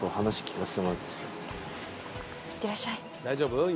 大丈夫？